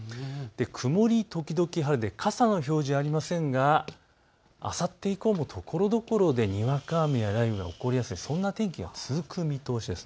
曇り時々晴れで傘の表示がありませんがあさって以降もところどころでにわか雨や雷雨が起こりやすい、そんな天気が続く見通しです。